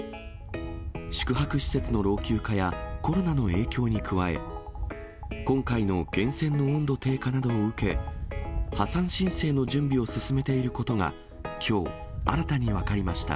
宿泊施設の老朽化や、コロナの影響に加え、今回の源泉の温度低下などを受け、破産申請の準備を進めていることがきょう、新たに分かりました。